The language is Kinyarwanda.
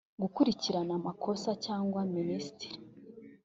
gukurikirana amakosa cyangwa minisitiri